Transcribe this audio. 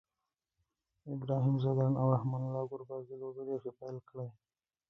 ابراهیم ځدراڼ او رحمان الله ګربز د لوبي ډير ښه پیل کړی دی